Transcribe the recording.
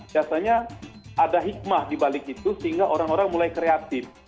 biasanya ada hikmah dibalik itu sehingga orang orang mulai kreatif